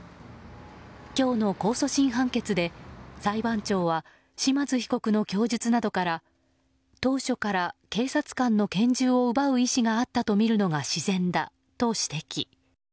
今日の控訴審判決で、裁判長は島津被告の供述などから当初から警察官の拳銃を奪う意思があったとみるのが自然だと指摘。